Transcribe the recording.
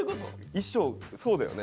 衣装そうだよね。